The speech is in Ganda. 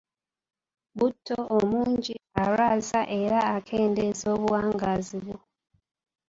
Buto omungi alwaza era akendeeza obuwangaazi bwo.